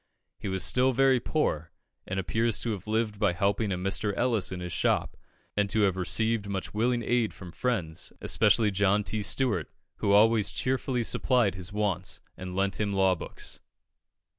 He was still very poor, and appears to have lived by helping a Mr. Ellis in his shop, and to have received much willing aid from friends, especially John T. Stuart, who always cheerfully supplied his wants, and lent him law books.